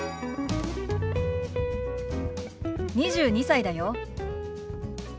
２２歳だよ。